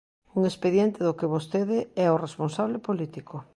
Un expediente do que vostede é o responsable político.